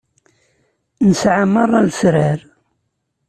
Nesɛa merra lesrar.